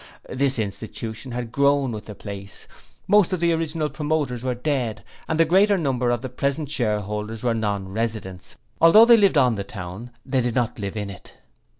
This institution had grown with the place; most of the original promoters were dead, and the greater number of the present shareholders were non residents; although they lived on the town, they did not live in it.